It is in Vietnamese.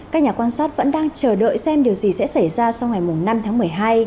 các nhà quan sát vẫn đang chờ đợi xem điều gì sẽ xảy ra sau ngày năm tháng một mươi hai